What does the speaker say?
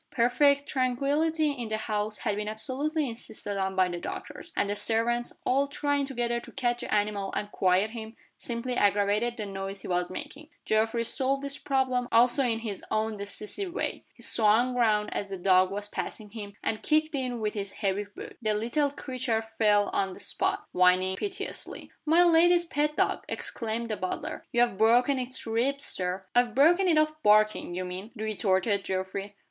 Perfect tranquillity in the house had been absolutely insisted on by the doctors; and the servants, all trying together to catch the animal and quiet him, simply aggravated the noise he was making. Geoffrey solved this problem also in his own decisive way. He swung round as the dog was passing him, and kicked it with his heavy boot. The little creature fell on the spot, whining piteously. "My lady's pet dog!" exclaimed the butler. "You've broken its ribs, Sir." "I've broken it of barking, you mean," retorted Geoffrey.